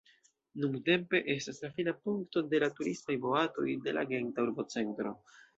Nuntempe estas la fina punkto de la turismaj boatoj de la Genta urbocentro.